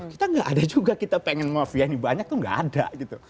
kita nggak ada juga kita pengen mafia ini banyak tuh nggak ada gitu